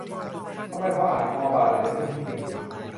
ทำไมพออ่าน "คอบ่าไหล่" แล้วนึกถึงสิ่งนี้